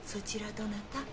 どなた？